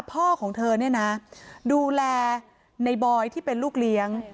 พ่อของเธอดูแลนายบอยที่เป็นลูกเลี้ยง